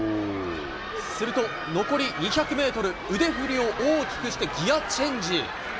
すると、残り２００メートル、腕振りを大きくしてギアチェンジ。